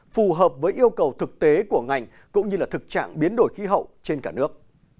phù hợp với yêu cầu thực tế của ngành cũng như là thực trạng biến đổi khí hậu trên cả nước